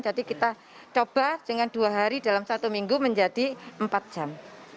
jadi kita coba dengan dua hari dalam satu minggu menjadi empat jam